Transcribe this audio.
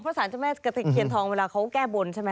เพราะสารเจ้าแม่กระตะเคียนทองเวลาเขาแก้บนใช่ไหม